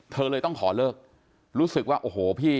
เธอเลยต้องขอเลิกรู้สึกว่าโอ้โหพี่